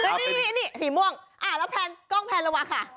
แล้วแพนกล้องแพนระวักค่ะ